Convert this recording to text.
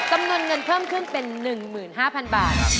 จำนวนเงินเพิ่มขึ้นเป็น๑๕๐๐๐บาท